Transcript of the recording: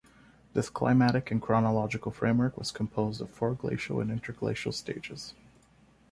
This climatic and chronological framework was composed of four glacial and interglacial stages.